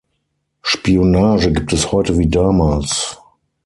Spionage gibt es heute wie damals.